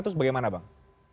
terus bagaimana bang